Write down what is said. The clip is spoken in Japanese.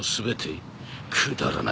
くだらない夢だ。